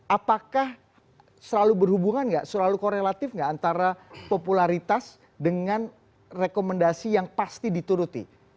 apakah selalu berhubungan nggak selalu korelatif nggak antara popularitas dengan rekomendasi yang pasti dituruti